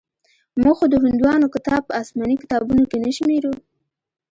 موږ خو د هندوانو کتاب په اسماني کتابونو کښې نه شمېرو.